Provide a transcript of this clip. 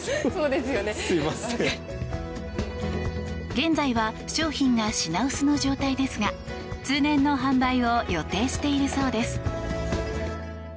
現在は商品が品薄の状態ですが通年の販売を予定しているそうです。